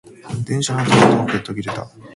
電車の音が遠くで途切れた。